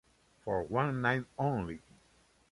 For One Night Only".